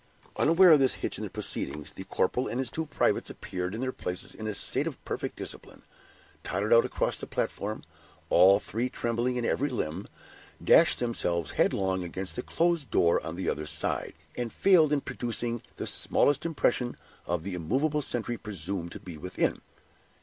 Unaware of this hitch in the proceedings, the corporal and his two privates appeared in their places in a state of perfect discipline, tottered out across the platform, all three trembling in every limb, dashed themselves headlong against the closed door on the other side, and failed in producing the smallest impression on the immovable sentry presumed to be within.